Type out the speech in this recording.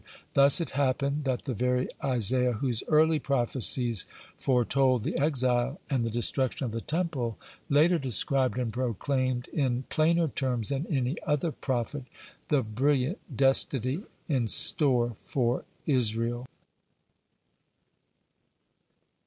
Thus it happened that the very Isaiah whose early prophecies foretold the exile and the destruction of the Temple, (35) later described and proclaimed, in plainer terms than any other prophet, (36) the brilliant destiny in store for Israel.